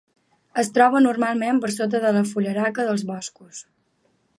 Es troba normalment per sota de la fullaraca dels boscos.